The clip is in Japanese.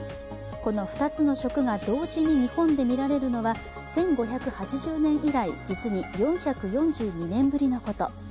この２つの食が同時に日本で見られるのは１５８０年以来、実に４４２年ぶりのこと。